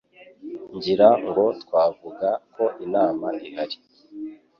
ngira ngo twavuga ko inama ihari